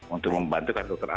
untuk membantukan dokter a